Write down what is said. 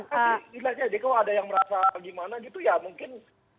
kalau ada yang merasa gimana gitu ya mungkin